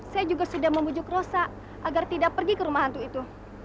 saya juga sudah membujuk rosa agar tidak pergi ke rumah hantu itu